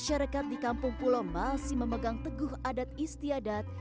masyarakat di kampung pulo masih memegang teguh adat istiadat